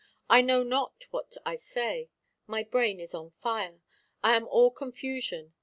I know not what I say; my brain is on fire; I am all confusion.